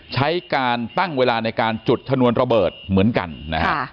ใช้การตั้งเวลาในการจุดชนวนระเบิดเหมือนกันนะฮะ